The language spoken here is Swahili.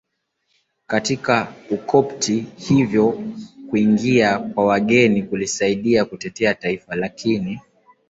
katika Ukopti Hivyo kuingia kwa wageni kulisaidia kutetea taifa lakini